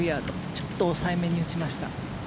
ちょっと抑えめに打ちました。